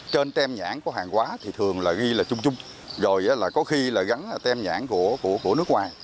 trên tem nhãn của hàng hóa thì thường là ghi là chung chung rồi có khi là gắn tem nhãn của nước ngoài